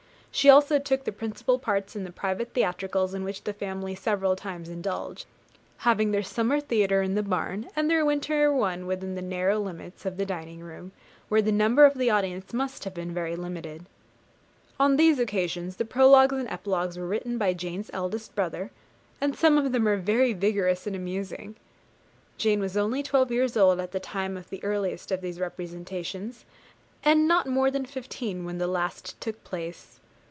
She also took the principal parts in the private theatricals in which the family several times indulged, having their summer theatre in the barn, and their winter one within the narrow limits of the dining room, where the number of the audience must have been very limited. On these occasions, the prologues and epilogues were written by Jane's eldest brother, and some of them are very vigorous and amusing. Jane was only twelve years old at the time of the earliest of these representations, and not more than fifteen when the last took place.